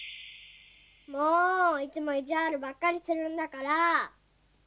もういつもいじわるばっかりするんだから。